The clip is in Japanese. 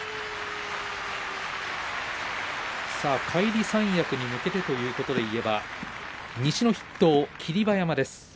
返り三役に向けてということでいえば西の筆頭、霧馬山です。